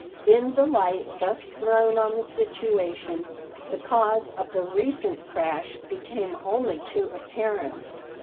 In the light thus thrown on the situation, the cause of the recent crash became only too apparent.